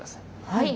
はい。